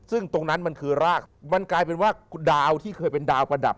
ซึ่งตรงนั้นมันคือรากมันกลายเป็นว่าดาวที่เคยเป็นดาวประดับ